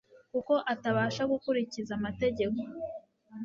kuko atabasha gukurikiza amategeko